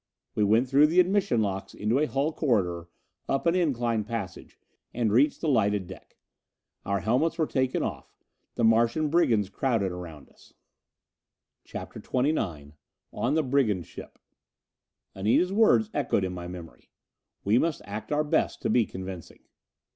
We went through the admission locks into a hull corridor, up an incline passage, and reached the lighted deck. Our helmets were taken off. The Martian brigands crowded around us. CHAPTER XXIX On the Brigand Ship Anita's words echoed in my memory: "We must act our best to be convincing."